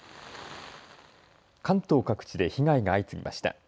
関東各地で被害が相次ぎました。